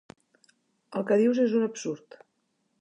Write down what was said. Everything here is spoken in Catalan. El que dius és un absurd.